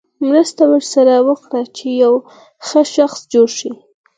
مرسته ورسره وکړه چې یو ښه شخص جوړ شي.